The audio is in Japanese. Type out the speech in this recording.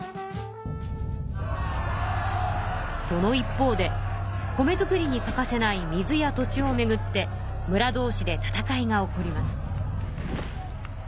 その一方で米作りに欠かせない水や土地をめぐってむら同士で戦いが起こります。